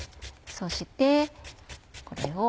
そしてこれを。